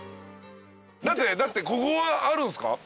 だってここはあるんすか？